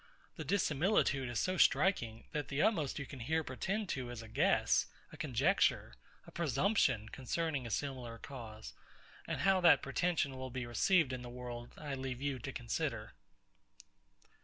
The dissimilitude is so striking, that the utmost you can here pretend to is a guess, a conjecture, a presumption concerning a similar cause; and how that pretension will be received in the world, I leave you to consider.